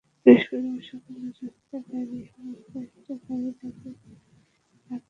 বৃহস্পতিবার সকালে রাস্তায় দাঁড়ানো অবস্থায় একটি গাড়ি তাঁকে পেছন থেকে ধাক্কা দেয়।